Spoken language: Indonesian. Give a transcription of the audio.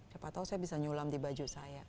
siapa tahu saya bisa nyulam di baju saya